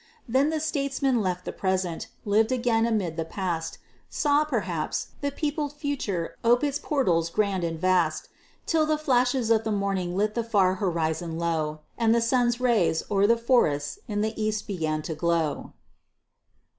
Then the statesman left the present, lived again amid the past, Saw, perhaps, the peopled future ope its portals grand and vast, Till the flashes of the morning lit the far horizon low, And the sun's rays o'er the forests in the east began to glow.